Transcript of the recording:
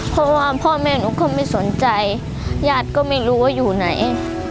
เพราะว่าพ่อแม่หนูก็ไม่สนใจญาติก็ไม่รู้ว่าอยู่ไหน